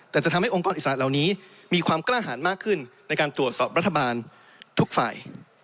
แต่จะทำให้องค์กรอิสระเหล่านี้มีความกล้าหารมากขึ้นในการตรวจสอบรัฐบาลทุกฝ่าย